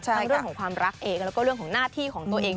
เรื่องของความรักเองแล้วก็เรื่องของหน้าที่ของตัวเอง